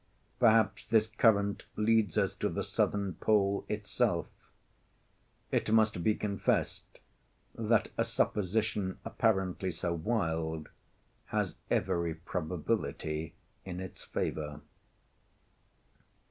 Perhaps this current leads us to the southern pole itself. It must be confessed that a supposition apparently so wild has every probability in its favor.